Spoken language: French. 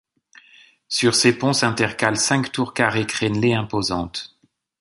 Sur ces ponts s'intercalent cinq tours carrées crénelées imposantes.